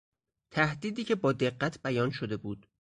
تهدیدی که با دقت بیان شده بود